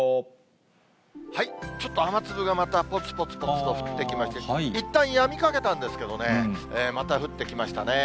ちょっと雨粒がまた、ぽつぽつぽつと降ってきまして、いったんやみかけたんですけどね、また降ってきましたね。